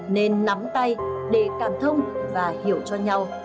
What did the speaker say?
nên nắm tay để cảm thông và hiểu cho nhau